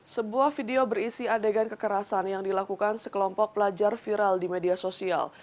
sebuah video berisi adegan kekerasan yang dilakukan sekelompok pelajar viral di media sosial